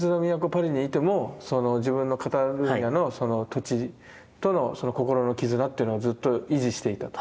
パリにいても自分のカタルーニャのその土地との心の絆っていうのをずっと維持していたと。